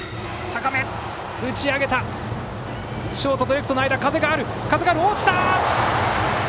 ショートとレフトの間に落ちた！